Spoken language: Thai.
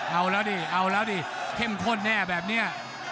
เอาแล้วดิเข้มข้นแน่แบบนี้